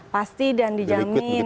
pasti dan dijamin